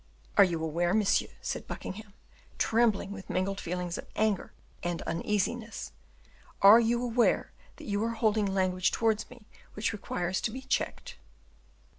"Are you aware, monsieur," said Buckingham, trembling with mingled feelings of anger and uneasiness, "are you aware that you are holding language towards me which requires to be checked?"